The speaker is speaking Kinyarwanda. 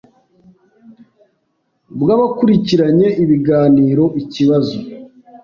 bw’abakurikiranye ibiganiro Ikibazo